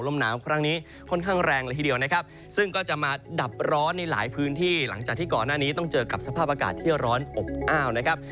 หนาวครั้งนี้ค่อนข้างแรงเลยทีเดียวนะครับซึ่งก็จะมาดับร้อนในหลายพื้นที่หลังจากที่ก่อนหน้านี้ต้องเจอกับสภาพอากาศที่ร้อนอบอ้าวนะครับ